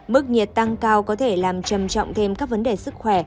mức nhiệt tăng cao có thể làm trầm trọng thêm các vấn đề sức khỏe